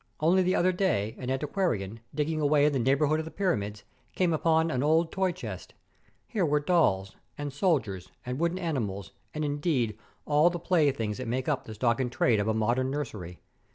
Only the other day an antiquarian, digging away in the neighbourhood of the Pyramids, came upon an old toy chest. Here were dolls, and soldiers, and wooden animals, and, indeed, all the playthings that make up the stock in trade of a modern nursery.